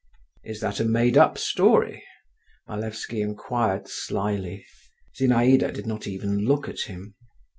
"Is that a made up story?" Malevsky inquired slyly. Zinaïda did not even look at him.